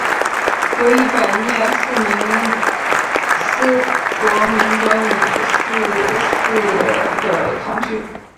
由一百廿四名司铎名管理廿四个堂区。